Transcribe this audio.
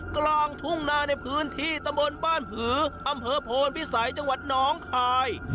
กลางทุ่งนาในพื้นที่ตำบลบ้านผืออำเภอโพนพิสัยจังหวัดน้องคาย